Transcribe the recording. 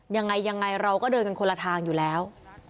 ยังไงยังไงเราก็เดินกันคนละทางอยู่แล้ว